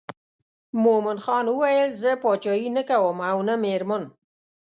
مومن خان ویل زه پاچهي نه کوم او نه مېرمن.